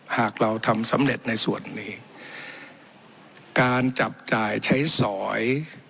หากเราทำสำเร็จในส่วนนี้การจับจ่ายใช้สอย